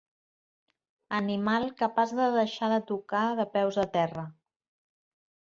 Animal capaç de deixar de tocar de peus a terra.